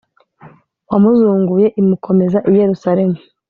Wamuzunguye imukomeza i yerusalemu